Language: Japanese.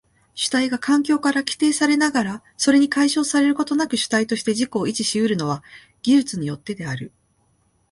主体が環境から規定されながらそれに解消されることなく主体として自己を維持し得るのは技術によってである。